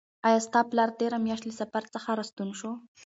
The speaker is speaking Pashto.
آیا ستا پلار تېره میاشت له سفر څخه راستون شو؟